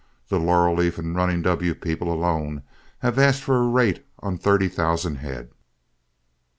The 'Laurel Leaf' and 'Running W' people alone have asked for a rate on thirty thousand head."